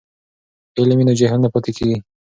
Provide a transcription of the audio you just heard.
که علم وي نو جهل نه پاتې کیږي.